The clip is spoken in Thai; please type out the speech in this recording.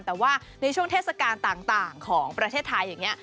แต่ว่าในช่วงเทศกาลต่างของประเทศไทยอย่างนี้